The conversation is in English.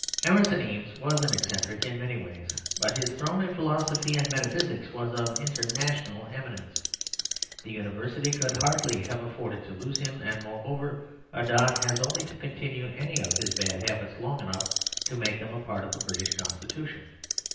"Emerson Eames was an eccentric in many ways, but his throne in philosophy and metaphysics was of international eminence; the university could hardly have afforded to lose him, and, moreover, a don has only to continue any of his bad habits long enough to make them a part of the British Constitution.